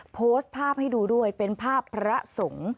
โพสต์ภาพให้ดูด้วยเป็นภาพพระสงฆ์